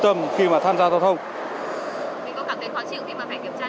thì có cảm thấy khó chịu khi mà phải kiểm tra nông độ cồn càng ngày